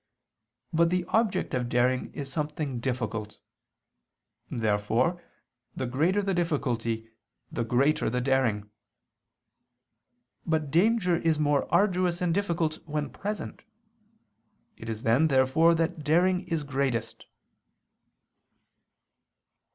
But the object of daring is something difficult. Therefore the greater the difficulty, the greater the daring. But danger is more arduous and difficult when present. It is then therefore that daring is greatest.